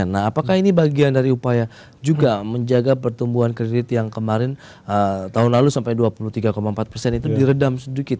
nah apakah ini bagian dari upaya juga menjaga pertumbuhan kredit yang kemarin tahun lalu sampai dua puluh tiga empat persen itu diredam sedikit